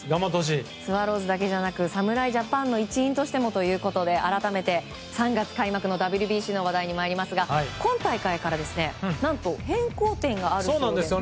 スワローズだけじゃなく侍ジャパンの一員としてもということで改めて３月開幕のＷＢＣの話題ですが今大会から何と変更点があるんですよね。